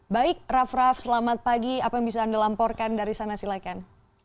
baik raff raff selamat pagi apa yang bisa anda lamporkan dari sana silahkan